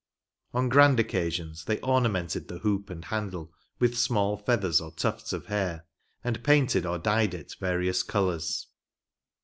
On grand occasions, they ornamented the hoop and handle with small feathers or tufts of hair, and painted or dyed it various colors.